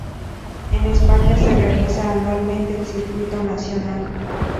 En España, se realiza anualmente el Circuito Nacional.